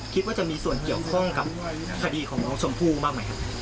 คิดว่าจะมีส่วนเกี่ยวข้องกับคดีของน้องชมพู่บ้างไหมครับ